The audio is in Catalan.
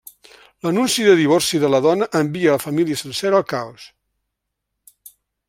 L'anunci de divorci de la dona envia la família sencera al caos.